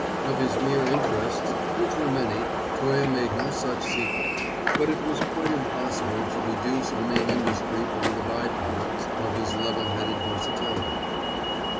Of his mere interests, which were many, Toye made no such secret; but it was quite impossible to deduce a main industry from the by products of his level headed versatility.